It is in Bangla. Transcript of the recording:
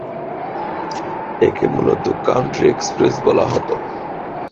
একে মূলত "কাউন্টি এক্সপ্রেস" বলা হত।